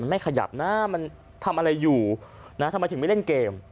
ไม่ขยับนะมันทำอะไรอยู่นะทำไมถึงไม่เล่นเกม